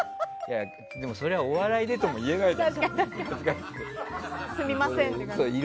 でも、それはお笑いでとも言えないじゃない。